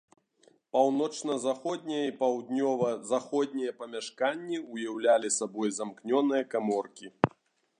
Паўночна-заходняе і паўднёва-заходняе памяшканні ўяўлялі сабой замкнёныя каморкі.